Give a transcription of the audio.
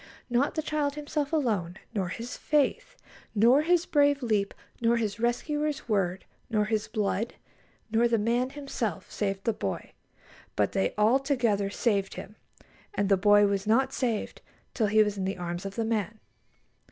Not the child himself alone, nor his faith, nor his brave leap, nor his rescuer's word, nor his blood, nor the man himself saved the boy, but they all together saved him; and the boy was not saved till he was in the arms of the man.